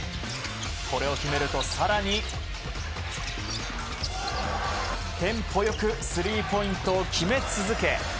これを決めると更にテンポ良くスリーポイントを決め続け